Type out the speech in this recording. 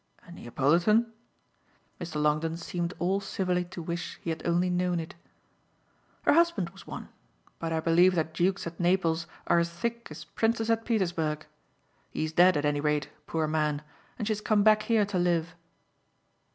"A Neapolitan?" Mr. Longdon seemed all civilly to wish he had only known it. "Her husband was one; but I believe that dukes at Naples are as thick as princes at Petersburg. He's dead, at any rate, poor man, and she has come back here to live."